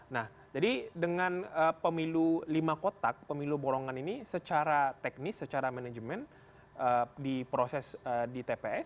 nah jadi dengan pemilu lima kotak pemilu borongan ini secara teknis secara manajemen di proses di tps